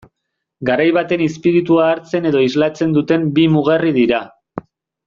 Garai baten izpiritua hartzen edo islatzen duten bi mugarri dira.